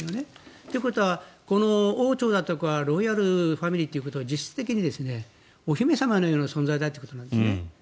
ということは王朝だとかロイヤルファミリーだということは実質的にお姫様のような存在だということなんですね。